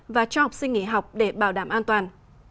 và cho học sinh nghỉ học để bảo đảm an toàn